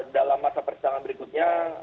dalam masa perjalanan berikutnya